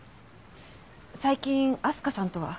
最近明日香さんとは？